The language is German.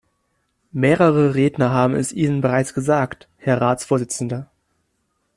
Mehrere Redner haben es Ihnen bereits gesagt, Herr Ratsvorsitzender.